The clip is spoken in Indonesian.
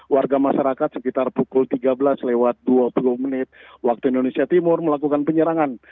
warga masyarakat sekitar pukul tiga belas lewat dua puluh menit waktu indonesia timur melakukan penyerangan